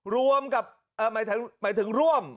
รวมกับหมายถึงร่วม